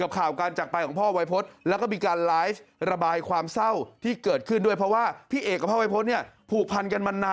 เอกกะชัยศรีวิชัยบอก